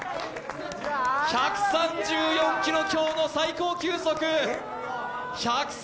１３４キロ強級の最高速。